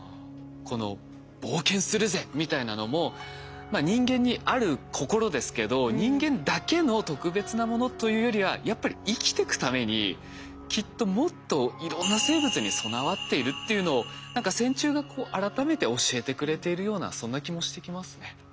この「冒険するぜ」みたいなのも人間にある心ですけど人間だけの特別なものというよりはやっぱり生きてくためにきっともっといろんな生物に備わっているっていうのを何か線虫が改めて教えてくれているようなそんな気もしてきますね。